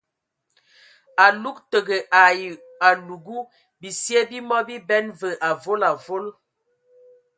Alug təgə ai alugu ;bisie bi mɔ biben və avɔl avɔl.